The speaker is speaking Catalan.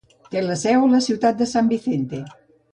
Té la seu a la ciutat de San Vicente.